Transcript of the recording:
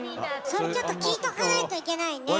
それちょっと聞いとかないといけないね。